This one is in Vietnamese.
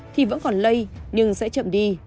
thì vẫn còn lây nhưng sẽ chậm đi